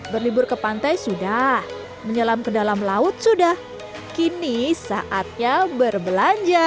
berlibur ke pantai sudah menyelam ke dalam laut sudah kini saatnya berbelanja